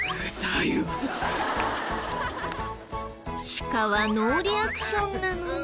シカはノーリアクションなのに。